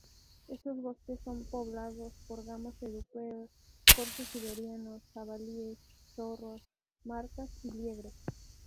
Estos bosques son poblados por gamos europeos, corzos siberianos, jabalíes, zorros, martas y liebres.